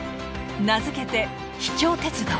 名付けて「秘境鉄道」。